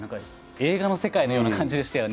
映画の世界のような感じでしたね。